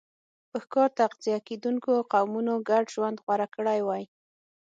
پر ښکار تغذیه کېدونکو قومونو ګډ ژوند غوره کړی وای.